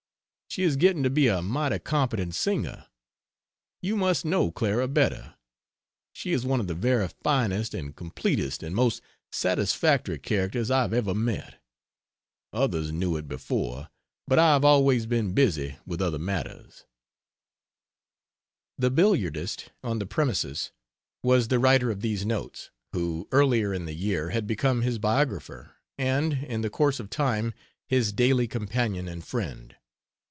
She is getting to be a mighty competent singer. You must know Clara better; she is one of the very finest and completest and most satisfactory characters I have ever met. Others knew it before, but I have always been busy with other matters. The "billiardist on the premises" was the writer of these notes, who, earlier in the year, had become his biographer, and, in the course of time, his daily companion and friend.